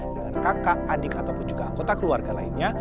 dengan kakak adik ataupun juga anggota keluarga lainnya